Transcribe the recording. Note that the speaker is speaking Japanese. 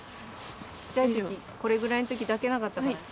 ちっちゃいときこれぐらいのとき抱けなかったから。